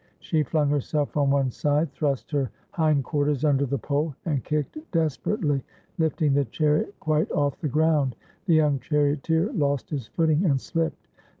She flung herself on one side, thrust her hind quarters under the pole, and kicked desperately, lifting the chariot quite off the groimd; the young charioteer lost his footing and slipped.